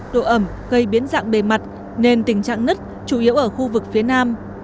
độ ẩm gây biến dạng bề mặt nên tình trạng nứt chủ yếu ở khu vực phía nam